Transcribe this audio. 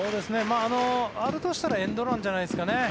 あるとしたらエンドランじゃないですかね。